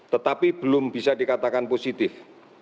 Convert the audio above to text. tetapi belum bisa dikatakan positif